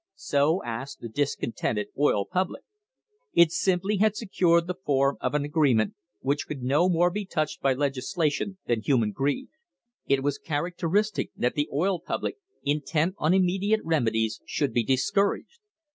So asked the dis contented oil public. It simply had secured the form of an agreement which could no more be touched by legislation than human greed. It was characteristic that the oil public, intent on immediate remedies, should be discouraged.